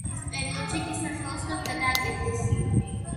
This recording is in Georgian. ოკუპაციის პერიოდში კი სახელოსნოდ გადააკეთეს.